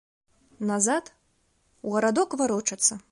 Назад, у гарадок варочацца?